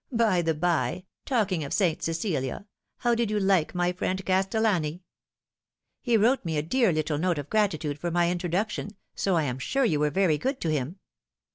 By the bye, talk ing of St. Cecilia, how did you like my friend Castellani ? He wrote me a dear little note of gratitude for my introduction, so I am sure you were very good to him."